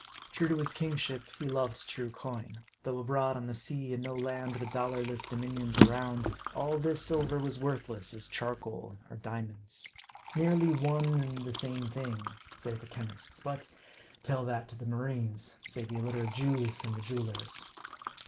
True to his kingship, he loved true coin ; though abroad on the sea, and no land but dollarless dominions around, all this silver was worthless as charcoal or diamonds. Nearly one and the same thing, say the chemists; but tell that to the marines, say the illiterate Jews and the jewelers.